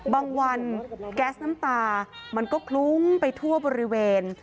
บางวันแก๊สน้ำตามันก็คลุ้งไปทั่วบริเวณ